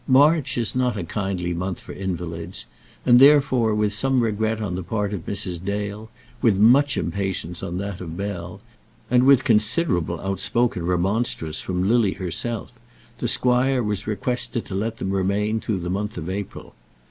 March is not a kindly month for invalids; and therefore with some regret on the part of Mrs. Dale, with much impatience on that of Bell, and with considerable outspoken remonstrance from Lily herself, the squire was requested to let them remain through the month of April.